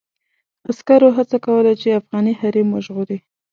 عسکرو هڅه کوله چې افغاني حريم وژغوري.